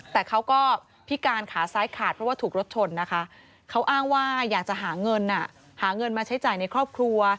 แต่เขาก็พิการขาซ้ายขาดเพราะว่าถูกรถชนนะคะเขาอ้างว่าอยากจะหาเงินหาเงินมาใช้จ่ายในครอบครัว